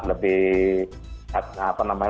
lebih apa namanya